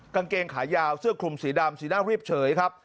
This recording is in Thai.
กางเกงขายาวเสื้อคลุมสีดำสีหน้าเรียบเฉยครับ